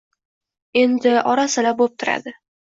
Endi… Ora-sira boʼp turadi.